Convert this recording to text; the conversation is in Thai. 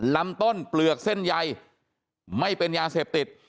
ลำต้นเปลือกเส้นใยไม่เป็นยาเสพติด